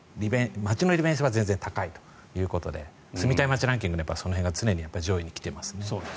街の利便性は全然高いということで住みたい街ランキングでもその辺は常に上位に来てますね。